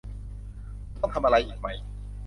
ฉันต้องทำอะไรอีกไหม